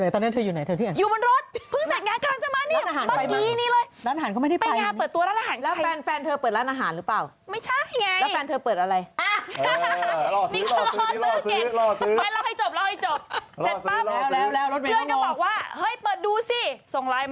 เพื่อนหนูส่งมาหาหนูเลยไง